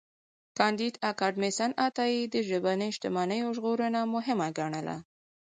کانديد اکاډميسن عطايی د ژبني شتمنیو ژغورنه مهمه ګڼله.